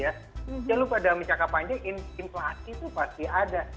jangan lupa dalam jangka panjang inflasi itu pasti ada